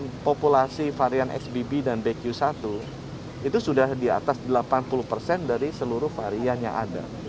informasi varian sbb dan bq satu itu sudah di atas delapan puluh dari seluruh varian yang ada